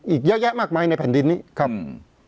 อีกเยอะแยะมากมายในแผ่นดินนี้ครับ